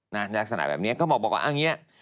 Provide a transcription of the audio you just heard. ในลักษณะแบบนี้เขาบอกว่าอันนี้